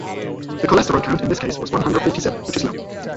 The cholesterol count in this case was one hundred forty-seven, which is low.